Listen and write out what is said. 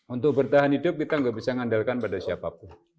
untuk bertahan hidup kita nggak bisa mengandalkan pada siapapun